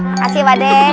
makasih pak ade